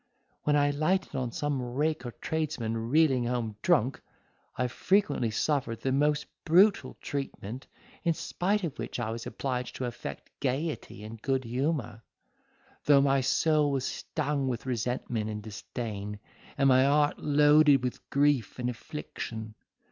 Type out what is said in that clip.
When I lighted on some rake or tradesman reeling home drunk, I frequently suffered the most brutal treatment, in spite of which I was obliged to affect gaiety and good humour, though my soul was stung with resentment and disdain, and my heart loaded with grief and affliction.